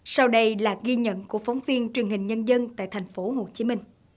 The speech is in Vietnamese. sau đây là ghi nhận của phóng viên truyền hình nhân dân tại tp hcm